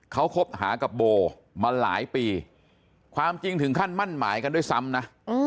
เขาคบหากับโบมาหลายปีความจริงถึงขั้นมั่นหมายกันด้วยซ้ำนะ